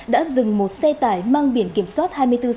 đã dừng một xe tải mang biển kiểm soát